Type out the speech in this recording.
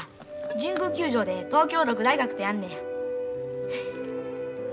神宮球場で東京六大学とやんねや。